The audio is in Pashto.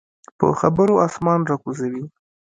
په خبرو اسمان راکوزوي.